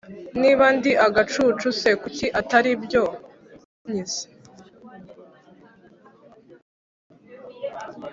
niba ndi agacucu se kuki ataribyo wanyise